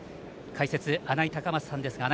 解説、穴井隆将さんです。